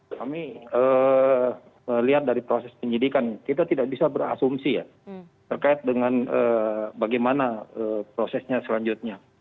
kami melihat dari proses penyidikan kita tidak bisa berasumsi ya terkait dengan bagaimana prosesnya selanjutnya